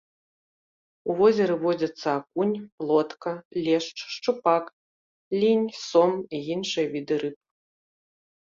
У возеры водзяцца акунь, плотка, лешч, шчупак, лінь, сом і іншыя віды рыб.